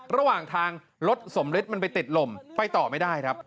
ระหว่างทางรถสมฤทธิมันไปติดลมไปต่อไม่ได้ครับ